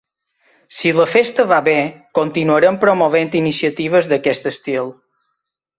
Si la festa va bé, continuarem promovent iniciatives d’aquest estil.